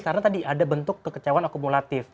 karena tadi ada bentuk kekecewaan akumulatif